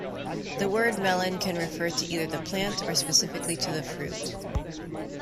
The word "melon" can refer to either the plant or specifically to the fruit.